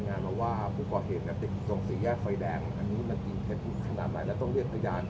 หมอบรรยาหมอบรรยาหมอบรรยา